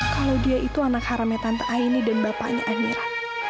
kalau dia itu anak harame tante aini dan bapaknya amira